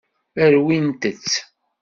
Rwint-tt.